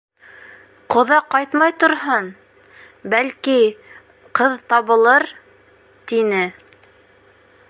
Ҡоҙа ҡайтмай торһон, бәлки, ҡыҙ табылыр... — тине.